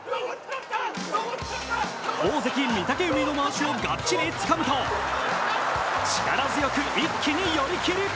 大関・御嶽海のまわしをがっちりつかむと、力強く一気に寄り切り。